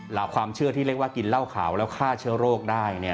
ความเชื่อที่เรียกว่ากินเหล้าขาวแล้วฆ่าเชื้อโรคได้